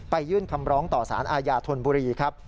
ยื่นคำร้องต่อสารอาญาธนบุรีครับ